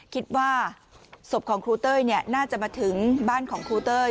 คิดว่าศพของครูเต้ยน่าจะมาถึงบ้านของครูเต้ย